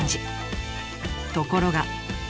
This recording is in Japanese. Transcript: ところが。